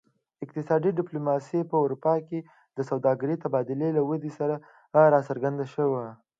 اقتصادي ډیپلوماسي په اروپا کې د سوداګرۍ تبادلې له ودې سره راڅرګنده شوه